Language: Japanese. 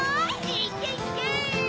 いけいけ！